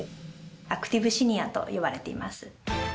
「アクティブシニア」といわれています。